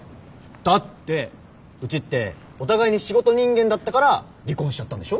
だってうちってお互いに仕事人間だったから離婚しちゃったんでしょ？